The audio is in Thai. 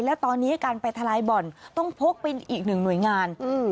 และตอนนี้การไปทลายบ่อนต้องพกเป็นอีกหนึ่งหน่วยงาน